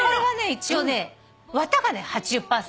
一応綿が８０％。